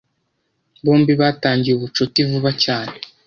Bombi batangiye ubucuti vuba cyane.